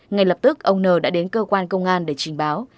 ngay lập tức ông n đã đến cơ quan công an để trình báo